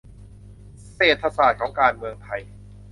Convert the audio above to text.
"เศรษฐศาสตร์ของการเมืองไทย"